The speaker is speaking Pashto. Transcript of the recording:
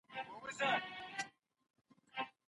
د اشتباهاتو منل د یوه ښه څېړونکي ځانګړتیا ده.